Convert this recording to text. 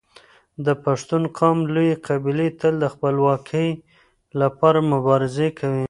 د پښتون قوم لويې قبيلې تل د خپلواکۍ لپاره مبارزه کوي.